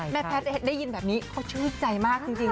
แพทย์ได้ยินแบบนี้เขาชื่นใจมากจริง